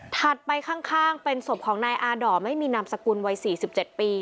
ไปข้างเป็นศพของนายอาด่อไม่มีนามสกุลวัย๔๗ปี